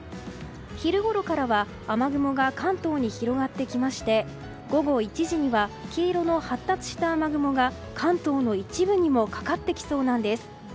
昼ごろからは雨雲が関東に広がってきまして午後１時には黄色の発達した雨雲が関東の一部にもかかってきそうなんです。